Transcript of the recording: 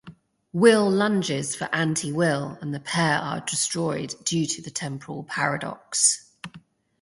Will lunges for "anti-Will" and the pair are destroyed due to the temporal paradox.